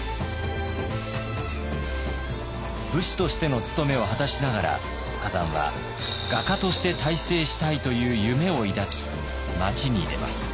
武士としての務めを果たしながら崋山は画家として大成したいという夢を抱き町に出ます。